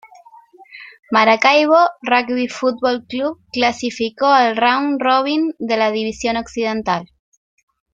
Maracaibo Rugby Football Club clasificó al Round Robin de la División Occidental.